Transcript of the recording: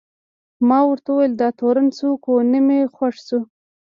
ما ورته وویل: دا تورن څوک و؟ نه مې خوښ شو.